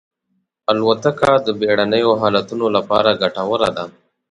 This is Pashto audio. الوتکه د بېړنیو حالتونو لپاره ګټوره ده.